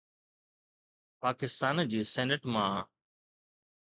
پاڪستان جي سينيٽ مان.